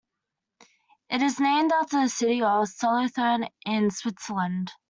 It is named after the city of Solothurn in Switzerland.